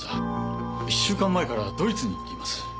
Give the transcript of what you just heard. １週間前からドイツに行っています。